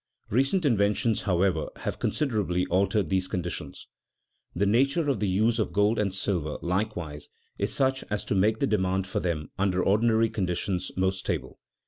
Recent inventions, however, have considerably altered these conditions. The nature of the use of gold and silver, likewise, is such as to make the demand for them, under ordinary conditions, most stable.